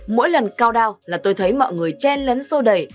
mỗi lần cao đao là tôi thấy mọi người chen lấn sô đẩy